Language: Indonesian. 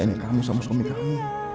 ini kamu sama suami kamu